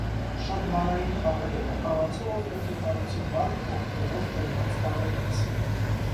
Շատ բառային խաղերում խաղացողը պետք է կառուցի բառ օգտվելով տրված տառերից։